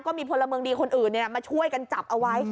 ก็มีพลเมืองดีคนอื่นเนี่ยมาช่วยกันจับเอาไว้